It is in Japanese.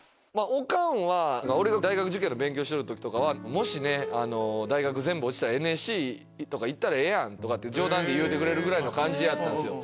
オカンは俺が大学受験の勉強してる時とかは「もし大学全部落ちたらＮＳＣ行ったらええやん」って冗談で言うてくれるぐらいの感じやったんですよ。